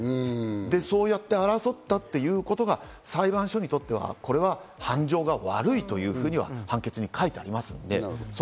そうやって争ったということが裁判所にとっては犯情が悪いというふうには判決に書いてありますので。